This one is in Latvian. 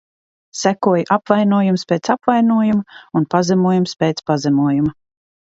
Sekoja apvainojums pēc apvainojuma un pazemojums pēc pazemojuma.